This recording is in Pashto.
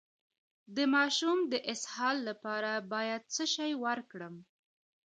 د ماشوم د اسهال لپاره باید څه شی ورکړم؟